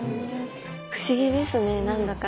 不思議ですねなんだか。